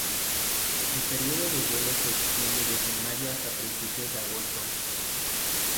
El periodo de vuelo se extiende desde mayo hasta principios de agosto.